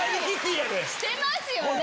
してますよね！